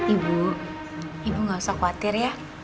ibu ibu nggak usah khawatir ya